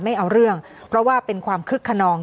ไม่เอาเรื่องเพราะว่าเป็นความคึกขนอง